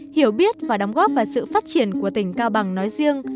hiểu biết và đóng góp vào sự phát triển của tỉnh cao bằng nói riêng